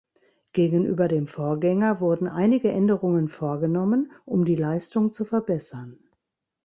Gegenüber dem Vorgänger wurden einige Änderungen vorgenommen, um die Leistung zu verbessern.